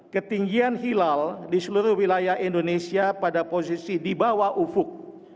ketinggian hilal di seluruh wilayah indonesia pada posisi di bawah ufuk